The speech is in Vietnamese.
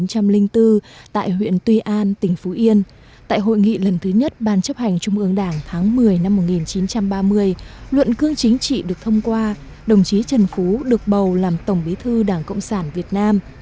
chính trị được thông qua đồng chí trần phú được bầu làm tổng bí thư đảng cộng sản việt nam